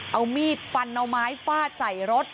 เอามีดฟันแล้วมายฟาดใส่รถ